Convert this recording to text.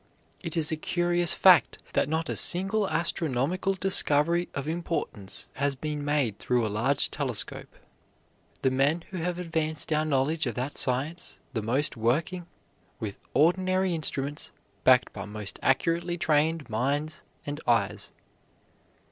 It is a curious fact that not a single astronomical discovery of importance has been made through a large telescope, the men who have advanced our knowledge of that science the most working with ordinary instruments backed by most accurately trained minds and eyes.